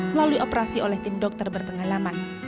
melalui operasi oleh tim dokter berpengalaman